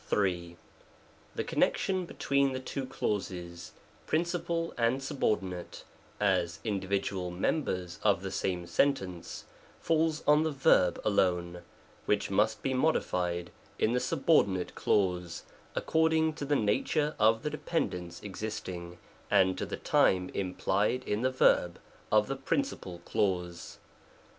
3. The connection between the two clauses, princi pal and subordinate, as individual members of the same sentence, falls on the verb alone, which must be modified in the subordinate clause, according to the nature of the dependence existing, and to the time im plied in the verb of the principal clause.